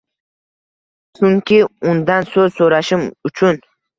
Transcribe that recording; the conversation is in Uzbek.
Сhunki Undan so‘z so‘rashim uchun.